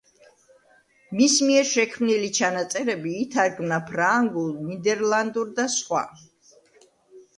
მის მიერ შექმნილი ჩანაწერები ითარგმნა ფრანგულ, ნიდერლანდურ და სხვა.